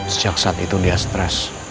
sejak saat itu dia stres